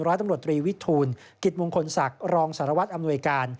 ร้อยตำรวจตรีวิทูลกิจมงคลศักดิ์รองสารวัตรอำนวยการ